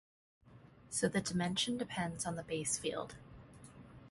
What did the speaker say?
So the dimension depends on the base field.